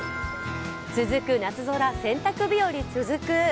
続く夏空洗濯日和続く。